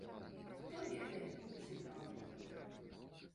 Хто ведае, ці праўда тое.